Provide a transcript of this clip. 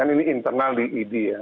ini internal di id ya